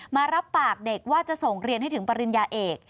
มารับปากเด็กว่าจะส่งเรียนให้ถึงปริญญาเอก